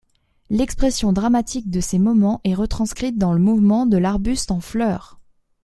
L'expression dramatique de ces moments est retranscrite dans le mouvement de l'arbuste en fleurs.